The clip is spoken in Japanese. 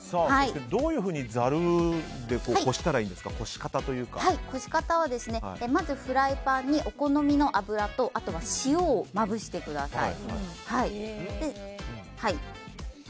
どういうふうにざるでこしたらいいんですかこし方は、まずフライパンにお好みの油と塩をまぶしてください。